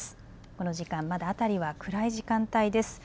この時間、まだ辺りは暗い時間帯です。